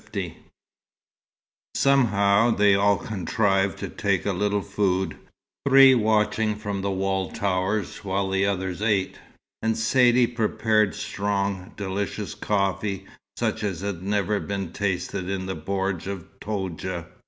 L Somehow, they all contrived to take a little food, three watching from the wall towers while the others ate; and Saidee prepared strong, delicious coffee, such as had never been tasted in the bordj of Toudja.